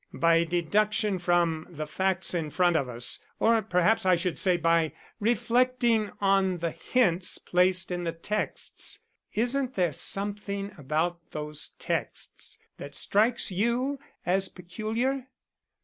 "By deduction from the facts in front of us or perhaps I should say by reflecting on the hints placed in the texts. Isn't there something about those texts that strikes you as peculiar?"